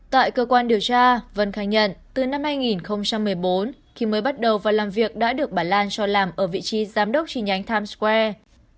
tại cơ quan điều tra vân khai nhận từ năm hai nghìn một mươi bốn khi mới bắt đầu và làm việc đã được bà lan cho làm ở vị trí giám đốc tri nhánh times square